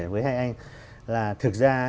với hai anh là thực ra